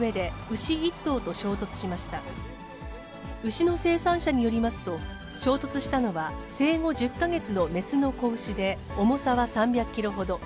牛の生産者によりますと、衝突したのは、生後１０か月の雌の子牛で、重さは３００キロほど。